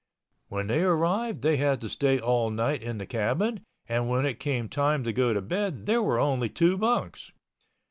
When they arrived they had to stay all night in the cabin and when it came time to go to bed there were only two bunks.